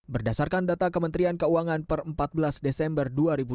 berdasarkan data kementerian keuangan per empat belas desember dua ribu dua puluh